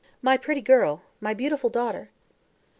My pretty girl, my beautiful daughter!"